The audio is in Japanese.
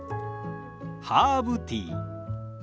ハーブティー。